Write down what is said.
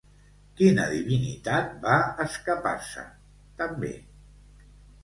Quina divinitat va escapar-se, també?